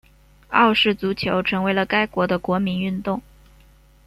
澳式足球成为了该国的国民运动。